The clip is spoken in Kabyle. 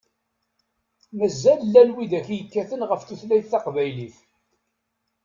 Mazal llan widak i yekkaten ɣef tutlayt taqbaylit.